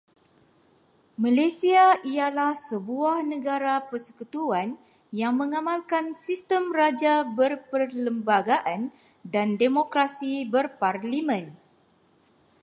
Malaysia ialah sebuah negara persekutuan yang mengamalkan sistem Raja Berperlembagaan dan Demokrasi Berparlimen.